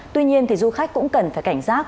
tuy nhiên thì du khách cũng cần phải cảnh giác